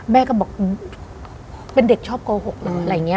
แม่ก็บอกเป็นเด็กชอบโกหกเหรออะไรอย่างนี้